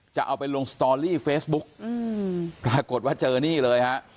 จะเอาไปลงสตอรี่เฟซบุ๊กอืมปรากฏว่าเจอนี่เลยฮะ